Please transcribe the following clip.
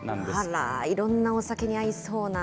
あらー、いろんなお酒に合いそうな。